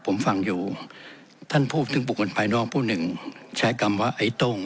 ผมฟังอยู่ท่านผู้ถึงปุกกันภายนอกผู้หนึ่งแชร์กำว่าไอ้โต่ง